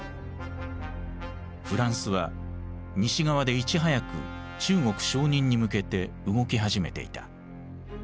フランスは西側でいち早く中国承認に向けて動き始めていた。